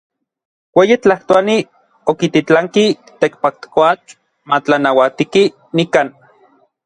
Ueyi Tlajtoani okititlanki Tekpatkoatl matlanauatiki nikan.